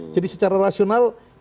jadi secara rasionalnya